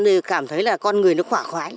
thì cảm thấy là con người nó khỏe khói